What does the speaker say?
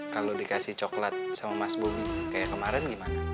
kalau dikasih coklat sama mas bumi kayak kemarin gimana